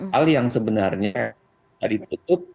hal yang sebenarnya bisa ditutup